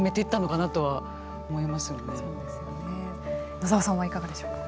野澤さんはいかがでしょうか。